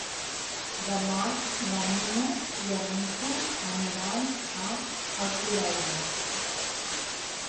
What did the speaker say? Demà na Nina i en Nico aniran a Alcoleja.